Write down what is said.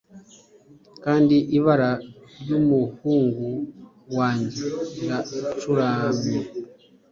Kandi ibara ryumuhungu wanjye riracuramye